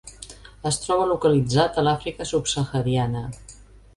Es troba localitzat a l'Àfrica subsahariana.